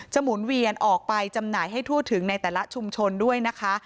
หมุนเวียนออกไปจำหน่ายให้ทั่วถึงในแต่ละชุมชนด้วยนะคะ